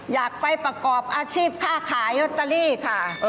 อยากไปประกอบอาชีพค่าขายลอตเตอรี่ค่ะ